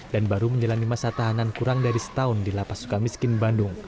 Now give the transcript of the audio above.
dan baru menjalani masa tahanan kurang dari setahun di lapasuka miskin bandung